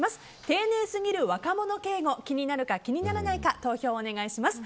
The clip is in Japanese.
丁寧すぎる若者敬語気になるか気にならないか投票をお願いします。